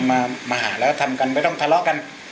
มาหาแล้วทำกันไม่ต้องทะเลาะกัน